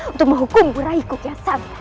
untuk menghukum puraiku kiasan